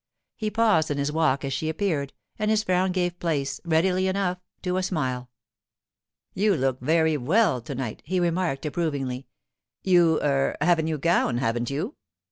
He paused in his walk as she appeared, and his frown gave place, readily enough, to a smile. 'You look very well to night,' he remarked approvingly. 'You—er—have a new gown, haven't you?